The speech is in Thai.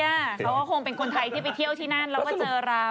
เขาก็คงเป็นคนไทยที่ไปเที่ยวที่นั่นแล้วก็เจอเรา